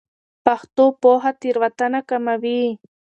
پښتو پوهه تېروتنه کموي.